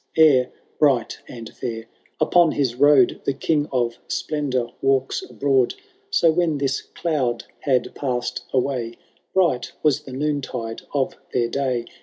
Ere, bright and £ur, upon his road The King of Splendour walks abroad ; So, when this cloud had passed away, Bright was the noontide of their day.